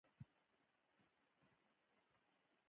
د نجونو تعلیم ودونو ته ځنډ ورکوي.